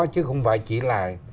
chứ không phải chỉ là